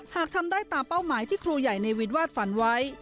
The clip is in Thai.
หากทำได้ตามเป้าหมายที่ครูใหญ่เนวินวาดฝันไว้